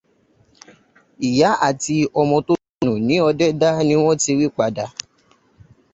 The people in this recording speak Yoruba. Ìyá àti ọmọ tó sọnù ní ìlú Ọdẹdá ni wọ́n ti rí padà